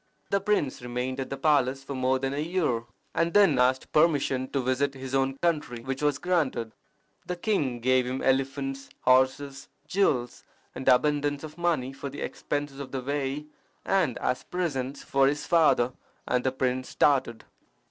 The prince remained at the palace for more than a year, and then asked permission to visit his own country, which was granted. The king gave him elephants, horses, jewels, and abundance of money for the expenses of the way and as presents for his father, and the prince started.